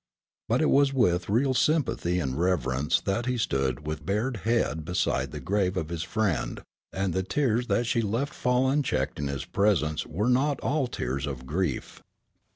But it was with real sympathy and reverence that he stood with bared head beside the grave of his friend, and the tears that she left fall unchecked in his presence were not all tears of grief.